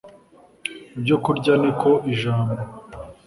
ibyokurya ni ko ijambo